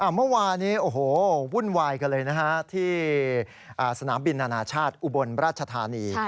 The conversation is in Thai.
เมื่อวานวุ่นวายกันเลยที่สนามบินอนาชาติอุบรรชธานี